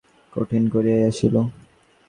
পরদিন মধ্যাহ্নে সুচরিতা মনকে কঠিন করিয়াই আসিল।